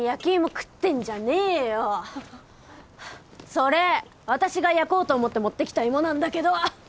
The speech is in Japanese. それ私が焼こうと思って持ってきた芋なんだけど。